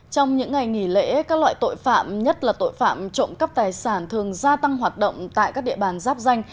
trong những ngày nghỉ lễ các loại tội phạm nhất là tội phạm trộm cắp tài sản thường gia tăng hoạt động tại các địa bàn giáp danh